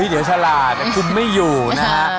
เยอะฉลาดดูไม่อยู่นะฮะ